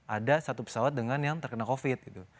ada satu pesawat dengan yang terkena covid gitu